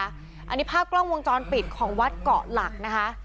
อันนี้ภาพกล้องวงจรปิดของวัดเกาะหลักนะคะ